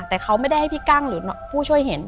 แต่เขาไม่ได้ให้พี่กั้งหรือผู้ช่วยเห็น